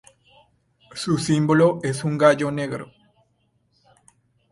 Su símbolo es un gallo negro.